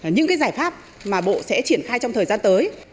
những giải pháp mà bộ sẽ triển khai trong thời gian tới